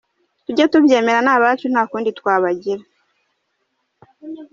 Tujye tubyemera ni abacu ntakundi twabagira